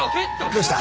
どうした？